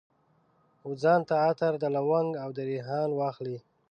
وځان ته عطر، د لونګ او دریحان واخلي